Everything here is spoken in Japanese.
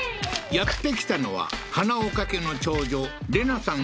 やって来たのは花岡家の長女玲奈さん